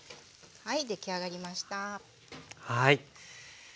はい。